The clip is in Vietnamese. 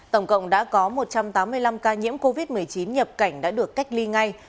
tổng cộng đã có một trăm tám mươi năm ca nhiễm covid một mươi chín nhập cảnh đã được cách ly ngay